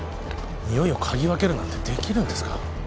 においを嗅ぎ分けるなんてできるんですか？